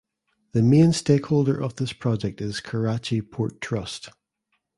The main stakeholder of this project is Karachi Port Trust.